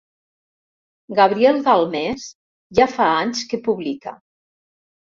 Gabriel Galmés ja fa anys que publica.